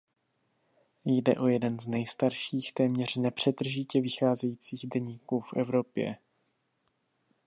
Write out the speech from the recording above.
Jde o jeden z nejstarších téměř nepřetržitě vycházejících deníků v Evropě.